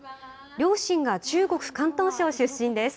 両親が中国・広東省出身です。